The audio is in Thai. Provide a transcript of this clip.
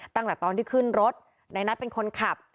ตั้งแต่ตอนที่ขึ้นรถนายนัทเป็นคนขับ